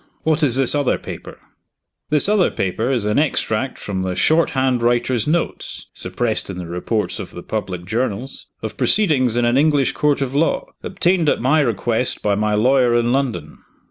What is this other paper?" "This other paper is an extract from the short hand writer's notes (suppressed in the reports of the public journals) of proceedings in an English court of law, obtained at my request by my lawyer in London."